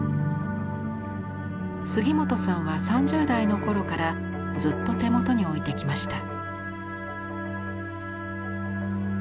杉本さんは３０代の頃からずっと手元に置いてきました。